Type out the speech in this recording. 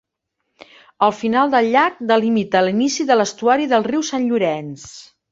El final del llac delimita l'inici de l'estuari del riu Sant Llorenç.